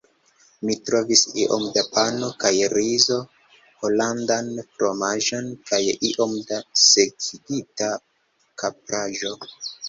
Mi trovis iom da pano kaj rizo, holandan fromaĝon, kaj iom da sekigita kapraĵo.